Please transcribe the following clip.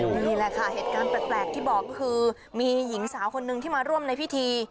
นี่แหละค่ะเหตุการณ์แปลกที่บอกก็คือมีหญิงสาวคนนึงที่มาร่วมในพิธี